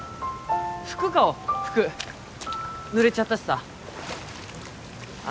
服買おう服濡れちゃったしさあ